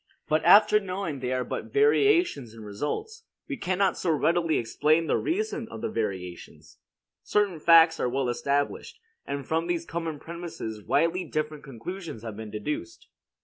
But after knowing they are but variations in results, we cannot so readily explain the reason of the variations. Certain facts are well established; and from these common premises widely different conclusions have been deduced.